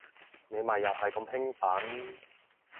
你咪又係咁興奮